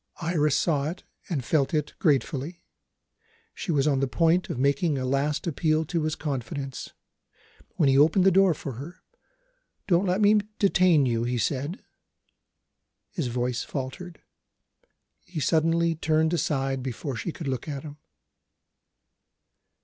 Iris saw it, and felt it gratefully. She was on the point of making a last appeal to his confidence, when he opened the door for her. "Don't let me detain you," he said. His voice faltered; he suddenly turned aside before she could look at him.